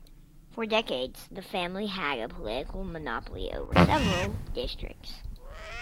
For decades, the family had a political monopoly over several districts.